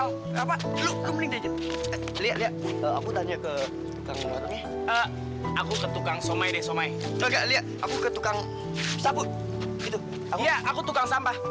lo ngapain sih yang ikut ikutan